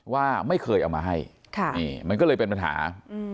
ว่าไม่เคยเอามาให้ค่ะนี่มันก็เลยเป็นปัญหาอืม